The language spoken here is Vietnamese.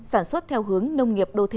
sản xuất theo hướng nông nghiệp đô thị